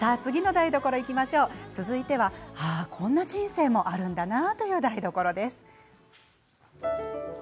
続いては、ああこんな人生もあるんだなという台所です。